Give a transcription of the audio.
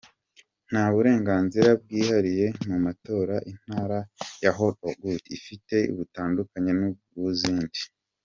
Nta burenganzira bwihariye mu matora intara ya Haut-Ogooué ifite butandukanye n’ubw’izindi.